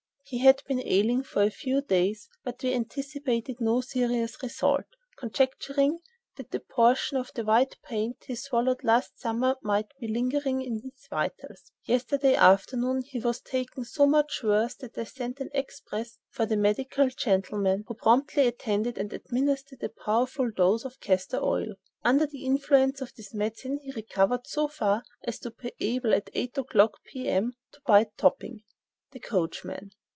He had been ailing for a few days, but we anticipated no serious result, conjecturing that a portion of the white paint he swallowed last summer might be lingering about his vitals. Yesterday afternoon he was taken so much worse that I sent an express for the medical gentleman, who promptly attended and administered a powerful dose of castor oil. Under the influence of this medicine he recovered so far as to be able, at eight o'clock, p.m., to bite Topping (the coachman).